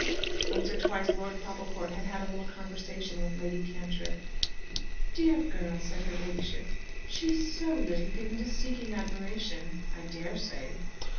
Once or twice Lord Popplecourt had a little conversation with Lady Cantrip. "Dear girl!" said her ladyship. "She is so little given to seeking admiration." "I dare say."